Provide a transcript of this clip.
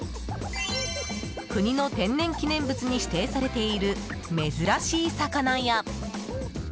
国の天然記念物に指定されている珍しい魚や